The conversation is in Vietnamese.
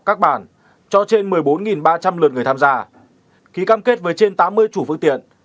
các bản cho trên một mươi bốn ba trăm linh lượt người tham gia ký cam kết với trên tám mươi chủ phương tiện